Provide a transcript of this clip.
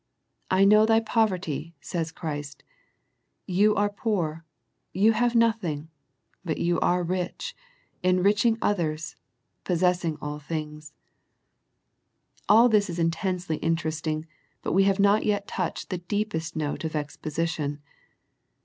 " I know thy poverty," says Christ, you are poor, you have nothing, but you are rich, enriching others, possessing all things. All this is intensely interesting, but we have not yet touched the deepest note of exposition.